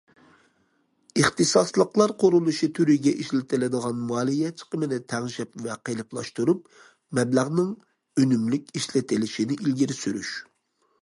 ئىختىساسلىقلار قۇرۇلۇشى تۈرىگە ئىشلىتىلىدىغان مالىيە چىقىمىنى تەڭشەپ ۋە قېلىپلاشتۇرۇپ، مەبلەغنىڭ ئۈنۈملۈك ئىشلىتىلىشىنى ئىلگىرى سۈرۈش.